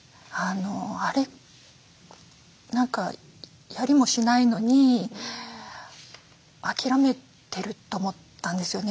何かやりもしないのに諦めてる」と思ったんですよね